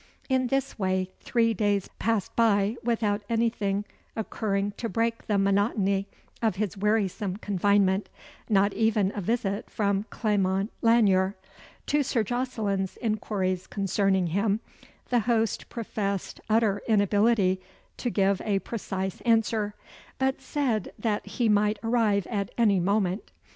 In this way three days passed by without anything occurring to break the monotony of his wearisome confinement, not even a visit from Clement Lanyere. To Sir Jocelyn's inquiries concerning him, the host professed utter inability to give a precise answer, but said that he might arrive at any moment.